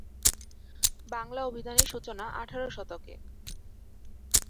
বাংলা অভিধানের সূচনা আঠারো শতকে।